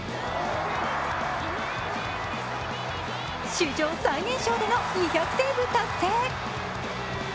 史上最年少での２００セーブ達成。